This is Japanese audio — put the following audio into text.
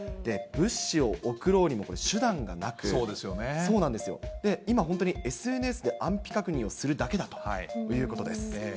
物資を送ろうにも手段がなく、今本当にＳＮＳで安否確認をするだけだということです。